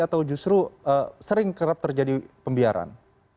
atau justru sering kerap terjadi pembiaran